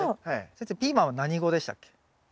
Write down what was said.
先生ピーマンは何語でしたっけ？